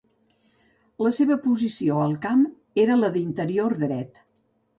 La seva posició al camp era la d'interior dret.